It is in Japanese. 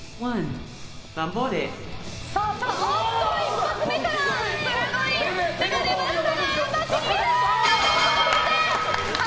おっと、一発目から鋭い一手が出ました！